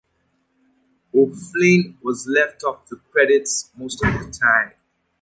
O'Flynn was left off the credits most of the time.